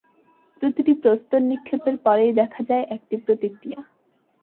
প্রতিটি প্রস্তর নিক্ষেপের পরেই দেখা যায় একটি প্রতিক্রিয়া।